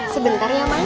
sebentar ya mang